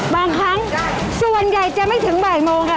บางครั้งส่วนใหญ่จะไม่ถึงบ่ายโมงค่ะ